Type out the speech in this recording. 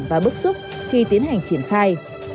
và bức xúc khi tiến hành triển khai